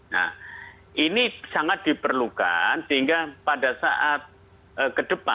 nah ini sangat diperlukan sehingga pada saat ke depan